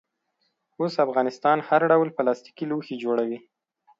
اوس افغانستان هر ډول پلاستیکي لوښي جوړوي.